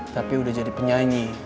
tapi udah jadi penyanyi